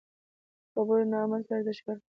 د خبرو نه عمل ته ارزښت ورکړه.